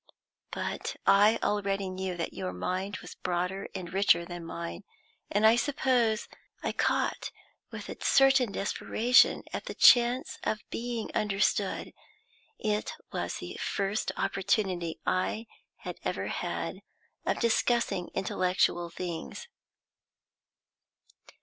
But I already knew that your mind was broader and richer than mine, and I suppose I caught with a certain desperation at the chance of being understood. It was the first opportunity I had ever had of discussing intellectual things.